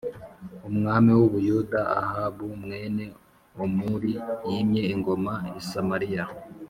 umwami w u Buyuda Ahabu mwene Omuri yimye ingoma i Samariya